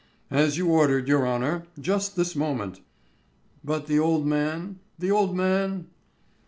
"As you ordered, your honour, just this moment." "But the old man? The old man?"